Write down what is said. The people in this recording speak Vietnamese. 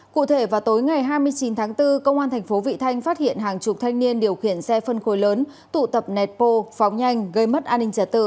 cụ thể vào tối ngày hai mươi chín tháng bốn công an thành phố vị thanh phát hiện hàng chục thanh niên điều khiển xe phân khối lớn tụ tập nẹt bô phóng nhanh gây mất an ninh trả tự